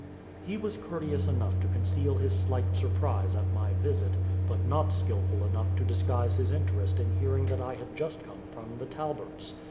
He was courteous enough to conceal his slight surprise at my visit, but not skilful enough to disguise his interest in hearing that I had just come from the Talberts.